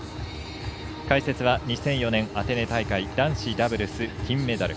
解説は２００４年アテネ大会男子ダブルス金メダル